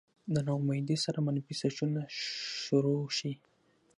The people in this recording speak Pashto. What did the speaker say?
د نا امېدۍ سره منفي سوچونه شورو شي